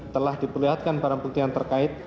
telah diperlihatkan barang bukti yang terkait